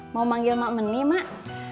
mau manggil mak meni mak